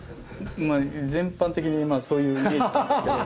全般的にそういうイメージですけど。